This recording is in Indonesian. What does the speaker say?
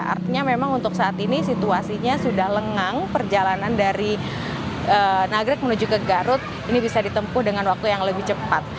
artinya memang untuk saat ini situasinya sudah lengang perjalanan dari nagrek menuju ke garut ini bisa ditempuh dengan waktu yang lebih cepat